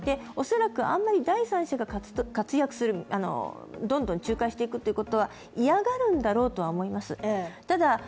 恐らくあまり第三者が活躍する、どんどん仲介していくということは嫌がるんだろうとは思います。